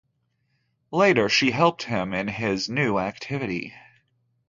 Later she helped him in his new activity.